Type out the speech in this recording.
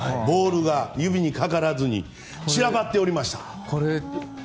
ボールが指にかからずに散らばっておりました。